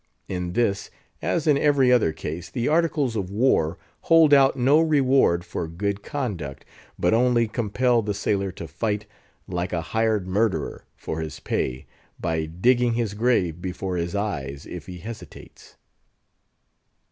In this, as in every other case, the Articles of War hold out no reward for good conduct, but only compel the sailor to fight, like a hired murderer, for his pay, by digging his grave before his eyes if he hesitates.